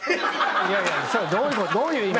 それどういう意味？